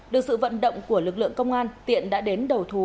được sự vận động của lực lượng công an tiện đã đến đầu thú